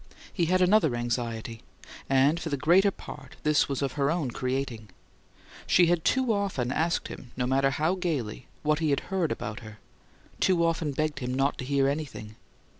He had another anxiety; and, for the greater part, this was of her own creating. She had too often asked him (no matter how gaily) what he heard about her, too often begged him not to hear anything.